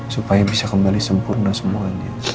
supaya bisa kembali sempurna semuanya